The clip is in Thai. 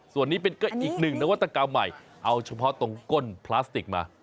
ส่วนนี้เป็นก็อีกหนึ่งนวัตกรรมใหม่เอาเฉพาะตรงก้นพลาสติกมา